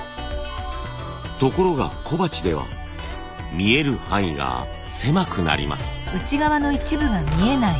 ところが小鉢では見える範囲が狭くなります。